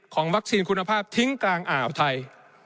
วัคซีนคุณภาพทิ้งกลางอ่าวไทย